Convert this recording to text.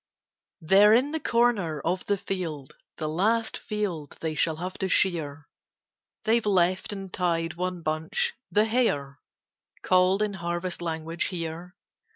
END OF in the corner of the field, * The last field they shall have to shear, They've left and tied one bunch, * the hare/ Called in harvest language here.